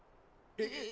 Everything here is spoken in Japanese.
えっ。